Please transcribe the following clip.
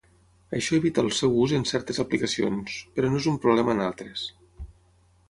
Això evita el seu ús en certes aplicacions, però no és un problema en altres.